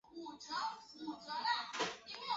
归入第二批全国重点文物保护单位乐山大佛。